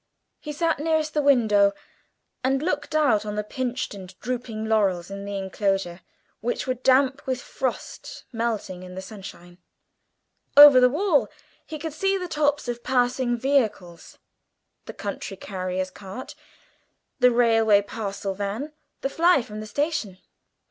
He sat nearest the window, and looked out on the pinched and drooping laurels in the enclosure, which were damp with frost melting in the sunshine. Over the wall he could see the tops of passing vehicles, the country carrier's cart, the railway parcels van, the fly from the station.